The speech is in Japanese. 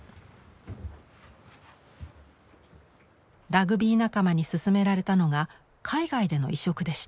ラグビー仲間に勧められたのが海外での移植でした。